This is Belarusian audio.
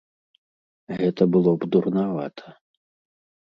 Гэта было б дурнавата.